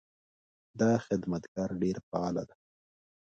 دا خدمتګر ډېر فعاله ده.